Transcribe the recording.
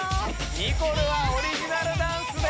ニコルはオリジナルダンスで。